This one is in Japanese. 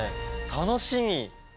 楽しみ！